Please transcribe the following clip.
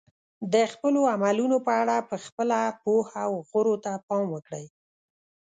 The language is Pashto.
د خپلو عملونو په اړه په خپله پوهه او غورو ته پام وکړئ.